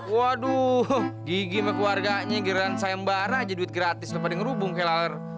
waduh gigi mah keluarganya gara gara sayang barat aja duit gratis lupa di ngerubung kayak lalur